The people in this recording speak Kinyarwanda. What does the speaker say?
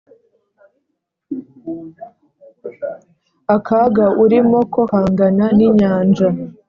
Akaga urimo ko kangana n’inyanja,